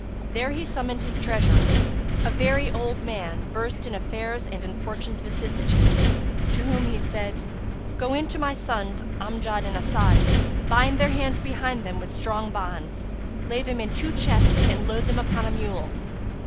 There he summoned his treasurer, a very old man, versed in affairs and in fortune's vicissitudes, to whom he said, "Go in to my sons, Amjad and As'ad; bind their hands behind them with strong bonds, lay them in two chests and load them upon a mule.